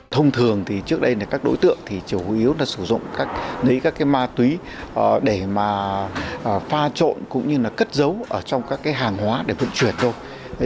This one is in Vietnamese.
thông thường thì trước đây các đối tượng thì chủ yếu là sử dụng lấy các ma túy để mà pha trộn cũng như là cất dấu ở trong các hàng hóa để vận chuyển thôi